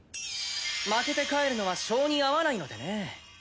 負けて帰るのは性に合わないのでね。